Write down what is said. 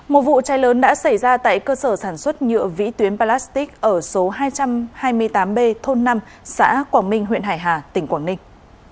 một vụ cháy lớn đã xảy ra tại cơ sở sản xuất nhựa vĩ tuyến palastic ở số hai trăm hai mươi tám b thôn năm xã quảng minh huyện hải hà tỉnh quảng ninh